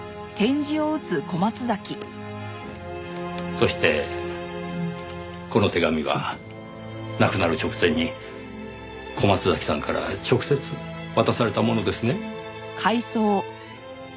そしてこの手紙は亡くなる直前に小松崎さんから直接渡されたものですね？